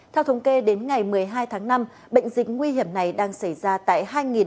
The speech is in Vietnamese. theo thống kê đến ngày một mươi hai tháng năm bệnh dịch nguy hiểm này đang xảy ra tại hai hai trăm linh